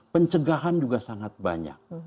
pencegahan juga sangat banyak